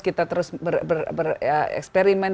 kita terus bereksperimen